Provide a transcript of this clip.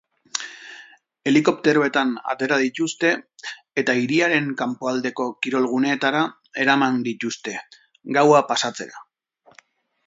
Helikopteroetan atera dituzte eta hiriaren kanpoaldeko kirol-guneetara eraman dituzte, gaua pasatzera.